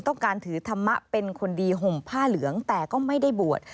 ถือธรรมะเป็นคนดีห่มผ้าเหลืองแต่ก็ไม่ได้บวช